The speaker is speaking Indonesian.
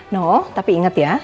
no tapi inget ya